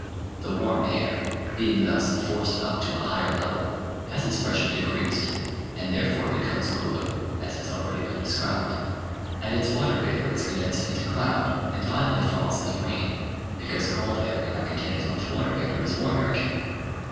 The warm air, being thus forced up to a higher level, has its pressure decreased, and therefore becomes cooler (as has already been described), and its water vapour is condensed into cloud, and finally falls as rain, because cold air cannot contain as much water vapour as warm air can.